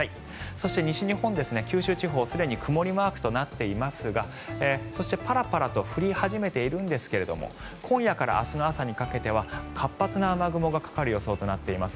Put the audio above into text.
そして、西日本ですね九州地方、すでに曇りマークとなっていますがそして、パラパラと降り始めているんですが今夜から明日の朝にかけては活発な雨雲がかかる予想となっています。